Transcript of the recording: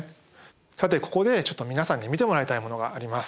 さてここでちょっと皆さんに見てもらいたいものがあります。